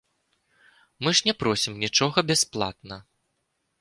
Мы ж не просім нічога бясплатна.